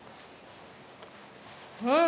うん！